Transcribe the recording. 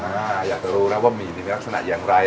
อ่าอยากจะรู้แล้วว่าบะหมี่นี่มีลักษณะอย่างไร